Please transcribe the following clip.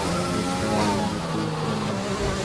শেষকালে আমাদের দোষ দেবেন না।